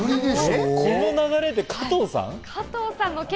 この流れで加藤さん？